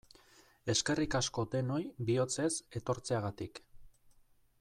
Eskerrik asko denoi bihotzez etortzeagatik!